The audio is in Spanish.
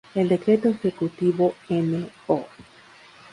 El decreto ejecutivo No.